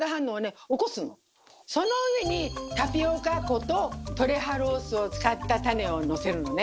その上にタピオカ粉とトレハロースを使ったタネをのせるのね。